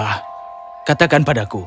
ah katakan padaku